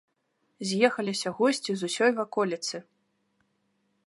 З'ехаліся госці з усёй ваколіцы.